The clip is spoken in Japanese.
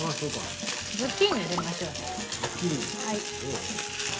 ズッキーニ入れましょう。